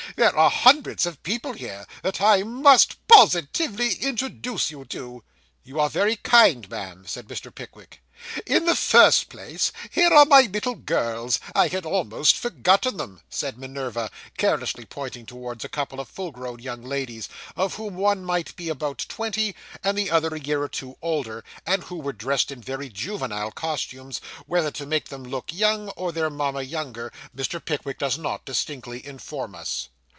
There are hundreds of people here, that I must positively introduce you to.' 'You are very kind, ma'am,' said Mr. Pickwick. 'In the first place, here are my little girls; I had almost forgotten them,' said Minerva, carelessly pointing towards a couple of full grown young ladies, of whom one might be about twenty, and the other a year or two older, and who were dressed in very juvenile costumes whether to make them look young, or their mamma younger, Mr. Pickwick does not distinctly inform us.